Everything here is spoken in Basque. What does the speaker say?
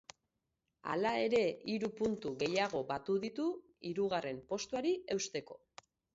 Hala ere, hiru puntu gehiago batu ditu, hirugarren postuari eusteko.